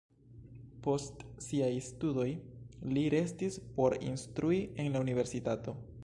Post siaj studoj li restis por instrui en la universitato.